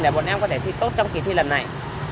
để bọn em có thể thi tốt trong kỳ thi lần này